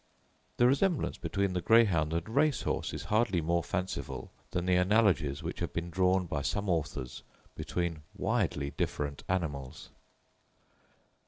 The resemblance between the greyhound and race horse is hardly more fanciful than the analogies which have been drawn by some authors between widely different animals.